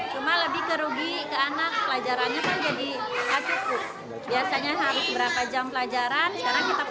cuma lebih kerugi ke anak pelajarannya kan jadi tak cukup